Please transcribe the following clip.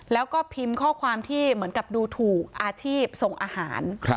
แล้วก็พิมพ์ข้อความที่เหมือนกับดูถูกอาชีพส่งอาหาร